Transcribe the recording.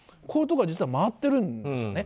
こういうところは実は回ってるんです。